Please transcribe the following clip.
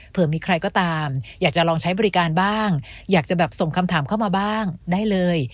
เผื่อมีใครก็ตามอยากจะลองใช้บริการบ้างอยากจะแบบส่งคำถามเข้ามาบ้างได้เลย